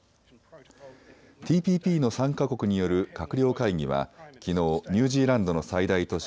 ＴＰＰの参加国による閣僚会議はきのうニュージーランドの最大都市